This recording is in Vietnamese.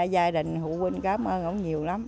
giai đình hữu quân cảm ơn ông nhiều lắm